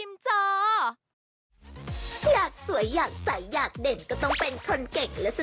โปรดติดตามตอนต่อไป